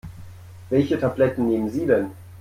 Welche Tabletten nehmen Sie denn?